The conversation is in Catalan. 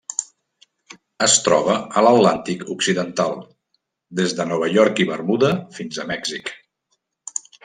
Es troba a l'Atlàntic occidental: des de Nova York i Bermuda fins a Mèxic.